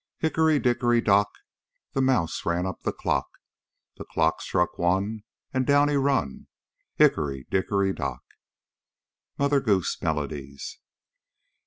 Hickory, dickory, dock! The mouse ran up the clock! The clock struck one, And down he run! Hickory, dickory, dock! MOTHER GOOSE MELODIES.